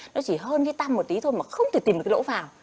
nó chỉ hơn cái tăm một tí thôi mà không thể tìm được cái lỗ vào